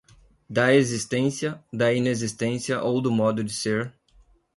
da existência, da inexistência ou do modo de ser